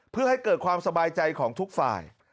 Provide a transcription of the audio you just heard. เพื่อให้เกิดความสบายใจของทุกฝ่าย